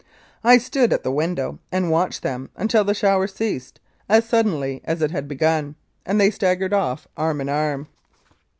I stood at the window and watched them until the shower ceased, as suddenly as it had begun, and they staggered off arm in arm.